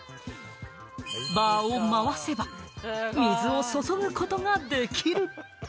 バーを回せば水を注ぐことができる。